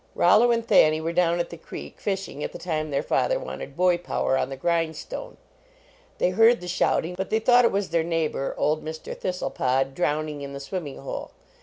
Rollo and Thanny were down at the creek fishing at the time their father wanted boy 104 JONAS power on the grindstone. They heard the shouting, but they thought it was their neigh bor, old Mr. Thistlepod, drowning in the swimming hole.